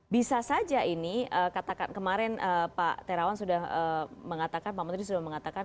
bisa saja ini katakan kemarin pak terawan sudah mengatakan pak menteri sudah mengatakan